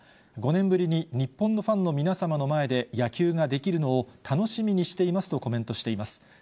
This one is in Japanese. ５年ぶりに日本のファンの皆様の前で野球ができるのを楽しみにしていますとコメントしています。